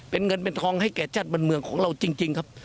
เป็นเงินเป็นทองให้แก่ชาติบ้านเมืองของเราจริงครับ